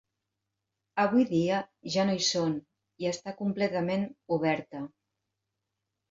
Avui dia ja no hi són i està completament oberta.